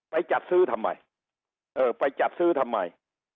จัดซื้อทำไมเออไปจัดซื้อทำไม